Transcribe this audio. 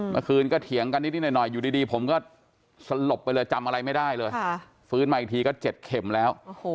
เมื่อคืนก็เถียงกันนิดหน่อยอยู่ดีผมก็สลบไปเลยจำอะไรไม่ได้เลยฟื้นมาอีกทีก็๗เข็มแล้ว